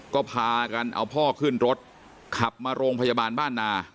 ก็พากันเอาพ่อขึ้นรถขับมาโรงพยาบาลบ้านนา